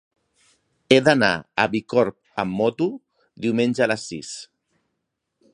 He d'anar a Bicorb amb moto diumenge a les sis.